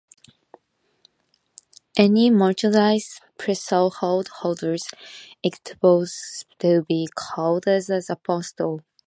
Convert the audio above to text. Any Melchizedek priesthood holder is eligible to be called as an apostle.